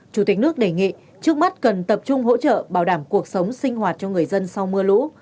chủ tịch nước đề nghị trước mắt cần tập trung hỗ trợ bảo đảm cuộc sống sinh hoạt cho người dân sau mưa lũ